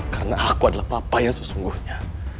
karena aku adalah papa yang sesungguhnya